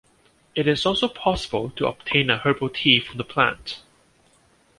It is also possible to obtain a herbal tea from the plant.